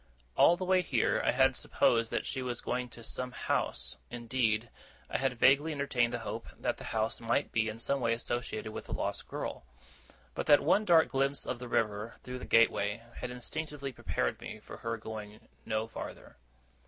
All the way here, I had supposed that she was going to some house; indeed, I had vaguely entertained the hope that the house might be in some way associated with the lost girl. But that one dark glimpse of the river, through the gateway, had instinctively prepared me for her going no farther.